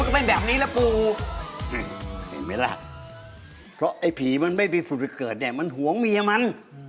ก็เป็นแบบนี้แหละปู่เห็นไหมล่ะเพราะไอ้ผีมันไม่มีผุดไปเกิดเนี่ยมันหวงเมียมัน